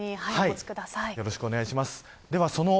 よろしくお願いします。